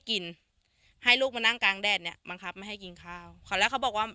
กินให้ลูกมานั่งกลางแดดเนี้ยบังคับไม่ให้กินข้าวเขาแล้วเขาบอกว่า